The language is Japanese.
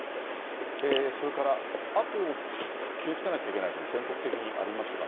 それからあと、気をつけなきゃいけない所、全国的にありますかね。